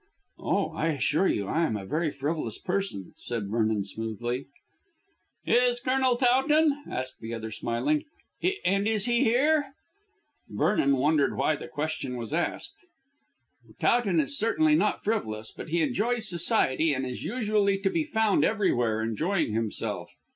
"Oh, I assure you I am a very frivolous person," said Vernon smoothly. "Is Colonel Towton?" asked the other smiling; "and is he here?" Vernon wondered why the question was asked. "Really, I can't say. Towton is certainly not frivolous, but he enjoys society and is usually to be found everywhere, enjoying himself.